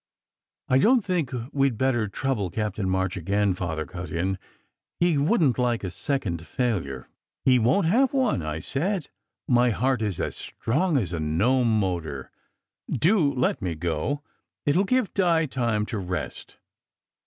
"I don t think we d better trouble Captain March again," Father cut in. " He wouldn t like a second failure." "He won t have one," I said. " My heart is as strong as a Gnome motor. Do let me go. It will give Di time to rest."